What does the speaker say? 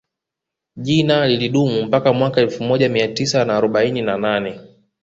Jina lilidumu mpaka mwaka elfu moja Mia Tisa na arobaini na nane